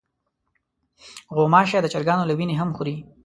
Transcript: غوماشې د چرګانو له وینې هم خوري.